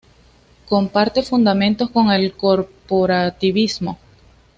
Comparte fundamentos con el "corporativismo".